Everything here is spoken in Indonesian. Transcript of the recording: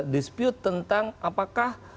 disput tentang apakah